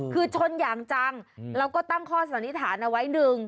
คือชนอย่างจังแล้วก็ตั้งข้อสันนิษฐานเอาไว้หนึ่ง